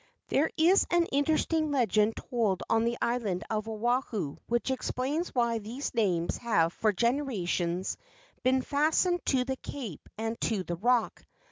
There is an interesting legend told on the island of Oahu which explains why these names have for generations been fastened to the cape and to the rock.